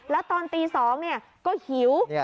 แล้วตอนตี๒ก็หิว